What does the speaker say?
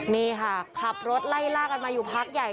นี่ค่ะขับรถไล่ล่ากันมาอยู่พักใหญ่